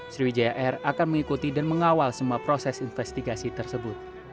sriwijaya air akan mengikuti dan mengawal semua proses investigasi tersebut